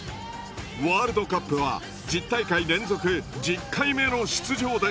ワールドカップは１０大会連続１０回目の出場です。